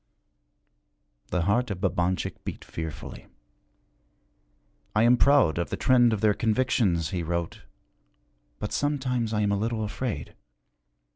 The heart of Babanchik beat fearfully. 'I am proud of the trend of their convictions,' he wrote, 'but sometimes I am a little afraid.